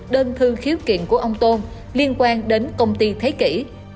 đơn thư khiếu kiện của ông tôn liên quan đến công ty thế kỷ